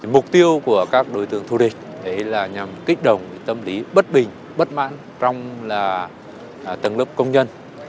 mục tiêu của các đối tượng thủ địch đấy là nhằm kích động tâm lý bất bình bất mãn trong là tầng lớp công nhân